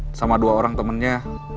kang murad sama dua orang temennya